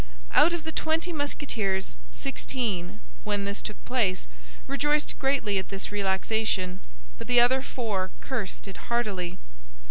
Out of the twenty Musketeers sixteen, when this took place, rejoiced greatly at this relaxation; but the other four cursed it heartily.